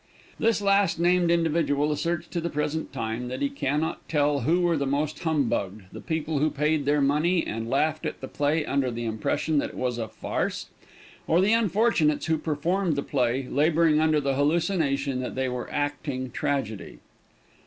This last named individual asserts to the present time that he cannot tell who were the most humbugged the people who paid their money, and laughed at the play under the impression that it was a farce, or the unfortunates who performed the play, laboring under the hallucination that they were acting tragedy.